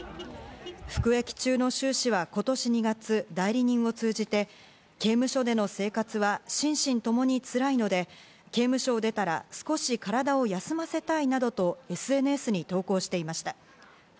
服役囚のシュウ氏は今年２月、代理人を通じて刑務所での生活は心身ともに辛いので、刑務所を出たら少し体を休ませたいなどとＳＮＳに投稿していました。